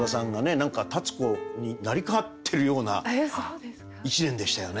何か立子に成り代わってるような１年でしたよね。